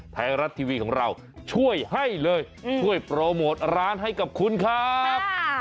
ไทยรัฐทีวีของเราช่วยให้เลยช่วยโปรโมทร้านให้กับคุณครับ